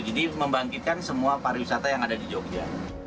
jadi membangkitkan semua pariwisata yang ada di jogja